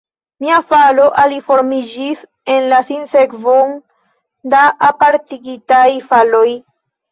Mia falo aliformiĝis en sinsekvon da apartigitaj faloj.